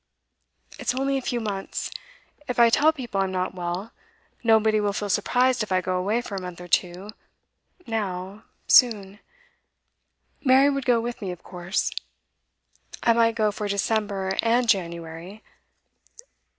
It's only a few months. If I tell people I'm not well, nobody will feel surprised if I go away for a month or two now soon. Mary would go with me, of course. I might go for December and January.